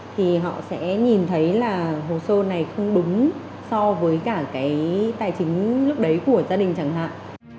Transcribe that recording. thì họ sẽ nhìn thấy là hồ sơ này không đúng so với cả cái tài chính lúc đấy của gia đình chẳng hạn